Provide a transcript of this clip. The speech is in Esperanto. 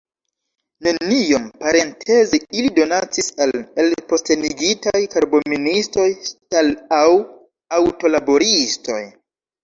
Neniom, parenteze, ili donacis al elpostenigitaj karboministoj, ŝtal- aŭ aŭto-laboristoj.